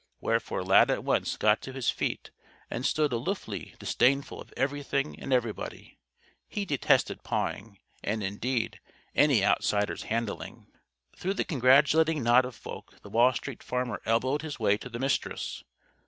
Wherefore Lad at once got to his feet and stood aloofly disdainful of everything and everybody. He detested pawing; and, indeed, any outsider's handling. Through the congratulating knot of folk the Wall Street Farmer elbowed his way to the Mistress.